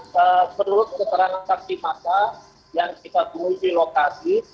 menurut keterangan saksi mata yang kita temui di lokasi